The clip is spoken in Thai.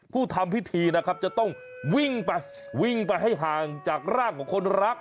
ผู้ทำพิธีนะครับจะต้องวิ่งไปวิ่งไปให้ห่างจากร่างของคนรัก